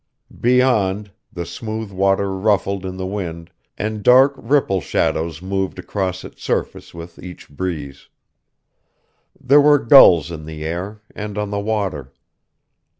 Beyond, the smooth water ruffled in the wind, and dark ripple shadows moved across its surface with each breeze. There were gulls in the air, and on the water.